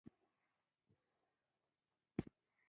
نوې مفکوره نوی فکر راوړي